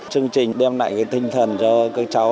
chương trình đem lại tinh thần cho các cháu